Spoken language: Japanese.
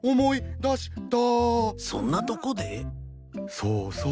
そうそう。